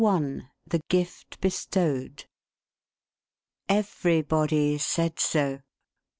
THE GIFT BESTOWED. EVERYBODY said so.